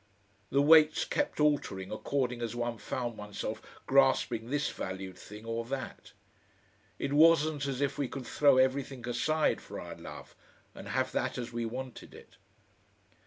The weights kept altering according as one found oneself grasping this valued thing or that. It wasn't as if we could throw everything aside for our love, and have that as we wanted it.